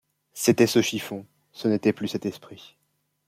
C’était ce chiffon, ce n’était plus cet esprit.